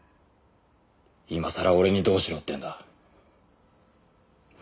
今さら俺にどうしろっていうんだ。